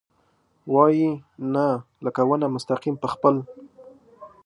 وايي ، نه ، لکه ونه مستقیم په خپل ...